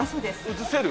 映せる？